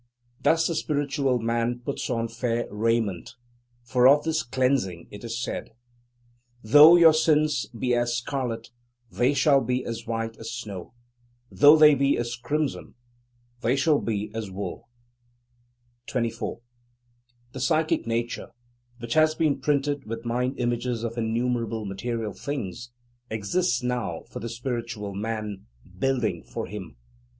Thus the Spiritual Man puts on fair raiment; for of this cleansing it is said: Though your sins be as scarlet, they shall be white as snow; though they be as crimson, they shall be as wool. 24. The psychic nature, which has been printed with mind images of innumerable material things, exists now for the Spiritual Man, building for him.